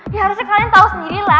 ya harusnya kalian tau sendirilah